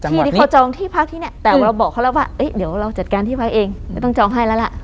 ที่เขาจองที่พักที่เนี่ยแต่เราบอกเขาแล้วว่าเดี๋ยวเราจัดการที่พักเองไม่ต้องจองให้แล้วล่ะ